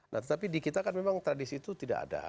nah tetapi di kita kan memang tradisi itu tidak ada